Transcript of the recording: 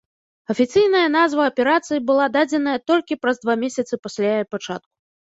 Афіцыйная назва аперацыі была дадзена толькі праз два месяцы пасля яе пачатку.